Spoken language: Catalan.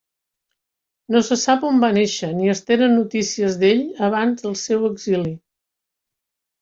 No se sap on va néixer ni es tenen notícies d'ell abans del seu exili.